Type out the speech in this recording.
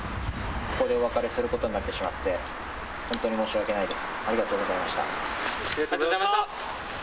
ここでお別れすることになってしまって本当に申し訳ないです。